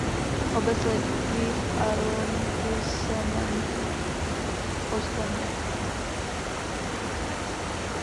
Obec leží v arrondissementu Ostende.